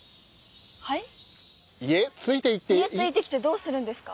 家ついてきてどうするんですか？